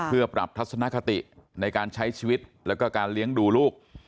เพื่อปรับทัศนคติในการใช้ชีวิตแล้วก็การเลี้ยงดูลูก